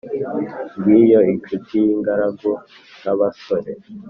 ngiyo inshuti y' ingaragu n' abasore,